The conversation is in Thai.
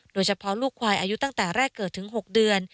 ลูกควายอายุตั้งแต่แรกเกิดถึง๖เดือน